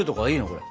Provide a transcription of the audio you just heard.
これ。